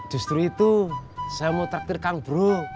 justru itu saya mau taktir kang bro